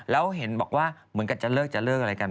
แล้วเห็นบอกว่าเหมือนกันจะเลิกจะเลิกอะไรกัน